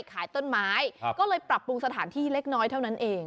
ขายต้นไม้ก็เลยปรับปรุงสถานที่เล็กน้อยเท่านั้นเอง